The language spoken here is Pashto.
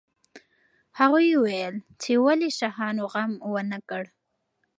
هغوی وویل چې ولې شاهانو غم ونه کړ.